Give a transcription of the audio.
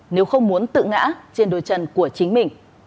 nếu không muốn tự ngã trên đôi chân của chính mình